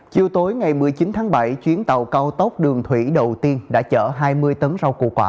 chiều tối ngày một mươi chín tháng bảy chuyến tàu cao tốc đường thủy đầu tiên đã chở hai mươi tấn rau củ quả